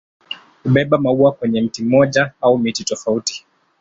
Hubeba maua kwenye mti mmoja au miti tofauti.